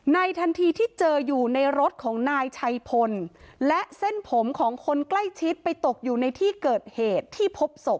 ทันทีที่เจออยู่ในรถของนายชัยพลและเส้นผมของคนใกล้ชิดไปตกอยู่ในที่เกิดเหตุที่พบศพ